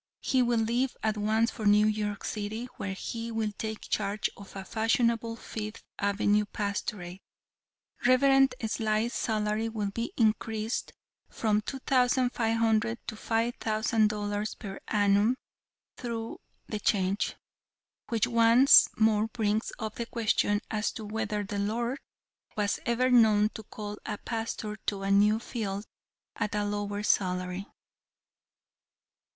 He will leave at once for New York City, where he will take charge of a fashionable Fifth Avenue pastorate. Reverend Sly's salary will be increased from two thousand five hundred to five thousand dollars per annum through the change, which once more brings up the question as to whether the Lord was ever known to call a pastor to a new field at a lower salary."